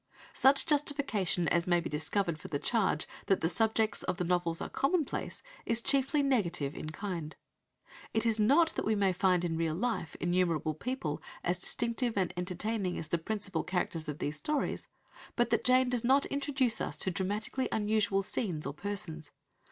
Such justification as may be discovered for the charge that the subjects of the novels are commonplace is chiefly negative in kind. It is not that we may find in real life innumerable people as distinctive and entertaining as the principal characters of these stories, but that Jane does not introduce us to dramatically unusual scenes or persons.